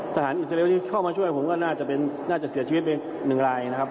อิสราเอลที่เข้ามาช่วยผมก็น่าจะเสียชีวิตไป๑ลายนะครับ